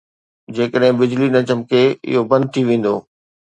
جيڪڏهن بجلي نه چمڪي، اهو بند ٿي ويندو.